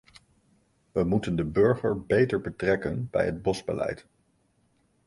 We moeten de burger beter betrekken bij het bosbeleid.